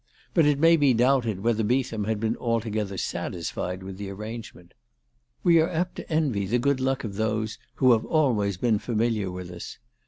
But it may be doubted whether Beetham had been altogether satisfied with the arrange ment. We are apt to envy the good luck of those who have always been familiar with us.